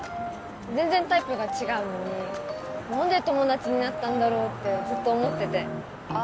全然タイプが違うのに何で友達になったんだろうってずっと思っててあ